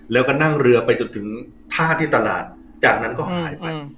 แล้วก็นั่งเรือไปจนถึงท่าที่ตลาดจากนั้นก็หายไป